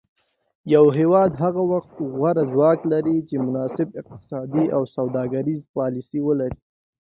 یو هیواد هغه وخت غوره ځواک لري چې مناسب اقتصادي او سوداګریزې پالیسي ولري